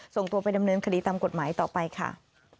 ส่งตัวไปดำเนินคดีตามกฎหมายต่อไปค่ะ